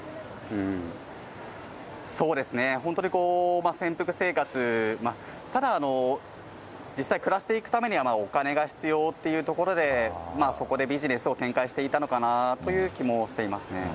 そうですね、本当に潜伏生活、ただ、実際、暮らしていくためにはお金が必要っていうところで、そこでビジネスを展開していたのかなという気もしていますね。